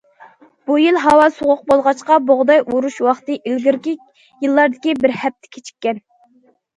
بۇ يىل ھاۋا سوغۇق بولغاچقا، بۇغداي ئورۇش ۋاقتى ئىلگىرىكى يىللاردىكىدىن بىر ھەپتە كېچىككەن.